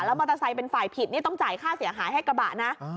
มอเตอร์ไซค์เป็นฝ่ายผิดนี่ต้องจ่ายค่าเสียหายให้กระบะนะ